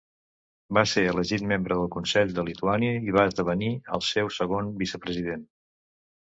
Va ser elegit membre del Consell de Lituània i va esdevenir el seu segon vicepresident.